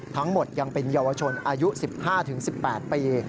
ทั้งหมดยังเป็นเยาวชนอายุ๑๕๑๘ปี